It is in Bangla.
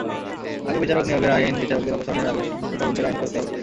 আগে বিচারক নিয়োগের আইন, বিচারকদের অপসারণের আগে সুষ্ঠু তদন্তের আইন করতে হবে।